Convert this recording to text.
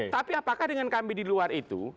tapi apakah dengan kami di luar itu